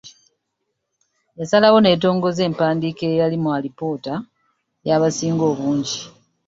Yasalawo n’etongoza empandiika eyali mu alipoota y’abasinga obungi.